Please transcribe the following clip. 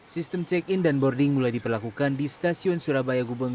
sistem check in dan boarding mulai diperlakukan di stasiun surabaya gubeng